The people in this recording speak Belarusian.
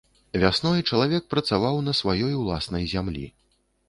Вясной чалавек працаваў на сваёй уласнай зямлі.